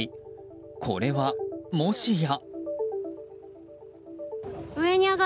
これはもしや？